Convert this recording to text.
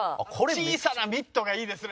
小さなミットがいいですね。